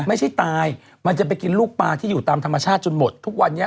ไม่ใช่ตายมันจะไปกินลูกปลาที่อยู่ตามธรรมชาติจนหมดทุกวันนี้